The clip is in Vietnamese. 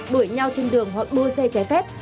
đuổi nhau trên đường hoặc đua xe ché phép